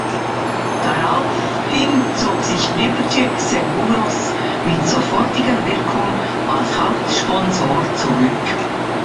Daraufhin zog sich Liberty Seguros mit sofortiger Wirkung als Hauptsponsor zurück.